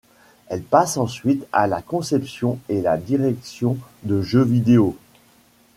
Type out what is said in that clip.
Elle passe ensuite à la conception et la direction de jeux vidéo.